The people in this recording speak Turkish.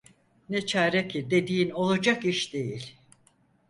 Ne çare ki dediğin olacak iş değil.